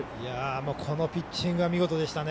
このピッチングは見事でしたね。